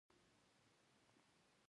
ښوونځي دي د ژبي ورځ ولمانځي.